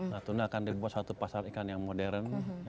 natuna akan dibuat satu pasar ikan yang modern